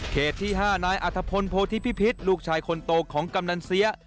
ที่๕นายอัธพลโพธิพิพิษลูกชายคนโตของกำนันเสีย